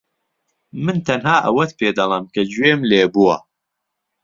من تەنها ئەوەت پێدەڵێم کە گوێم لێ بووە.